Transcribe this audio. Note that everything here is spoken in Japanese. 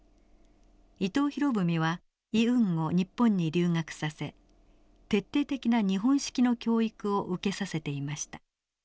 伊藤博文はイ・ウンを日本に留学させ徹底的な日本式の教育を受けさせていました。